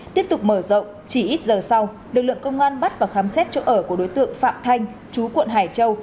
tiếp tục mở rộng chỉ ít giờ sau lực lượng công an bắt và khám xét chỗ ở của đối tượng phạm thanh chú quận hải châu